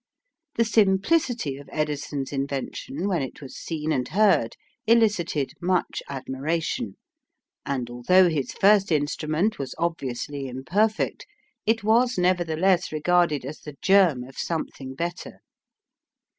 The simplicity of Edison's invention when it was seen and heard elicited much admiration, and although his first instrument was obviously imperfect, it was nevertheless regarded as the germ of something better.